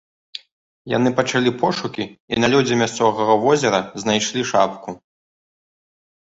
Яны пачалі пошукі і на лёдзе мясцовага возера знайшлі шапку.